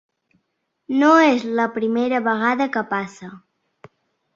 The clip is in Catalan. No és la primera vegada que passa.